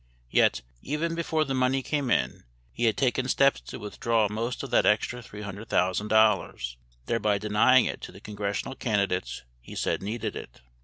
39 Yet, even before the money came in, he had taken steps to withdraw most of that extra $300,000, thereby denying it to the congressional candidates he said needed it.